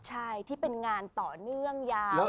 ใช่ที่เป็นงานต่อเนื่องยาว